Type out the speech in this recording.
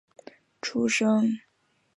出生于广岛县尾丸町的岛岛町的岩崎岛。